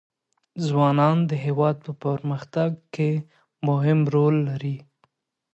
ځوانان د هېواد په پرمختګ کې مهم رول لري.